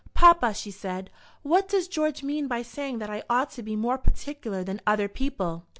"Papa," she said, "what does George mean by saying that I ought to be more particular than other people?"